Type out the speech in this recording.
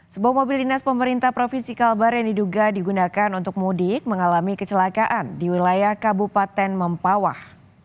sebuah mobil dinas pemerintah provinsi kalbar yang diduga digunakan untuk mudik mengalami kecelakaan di wilayah kabupaten mempawah